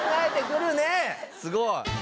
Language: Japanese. すごい。